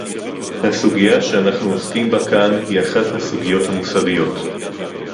הסוגיה שאנחנו עוסקים בה כאן היא אחת הסוגיות המוסריות